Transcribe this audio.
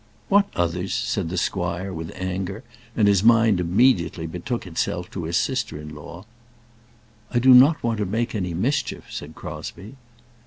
"What others?" said the squire, with anger; and his mind immediately betook itself to his sister in law. "I do not want to make any mischief," said Crosbie.